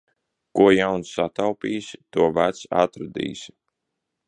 Ko jauns sataupīsi, to vecs atradīsi.